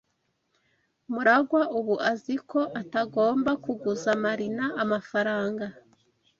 MuragwA ubu azi ko atagomba kuguza Marina amafaranga.